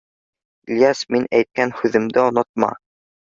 — Ильяс, мин әйткән һүҙемде онотма!